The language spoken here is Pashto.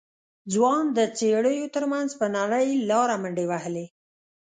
ځوان د څېړيو تر منځ په نرۍ لاره منډې وهلې.